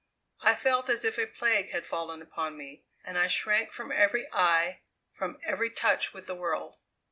I felt as if a plague had fallen upon me, and I shrank from every eye, from every touch with the world.